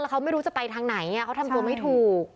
เขาไม่รู้จะไปทางไหนเขาทำตัวไม่ถูก